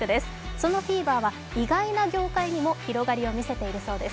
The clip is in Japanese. そのフィーバーは意外な業界にも広がりを見せているそうです。